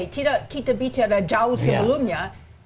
tidak kita bicara jauh sebelumnya